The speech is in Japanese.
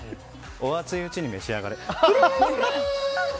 お熱いうちに召し上がれ！